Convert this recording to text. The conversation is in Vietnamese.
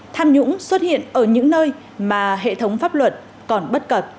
tham nhũng xuất hiện ở những nơi mà hệ thống pháp luật còn bất cập